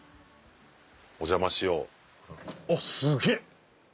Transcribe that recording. お邪魔しようあっすげぇ。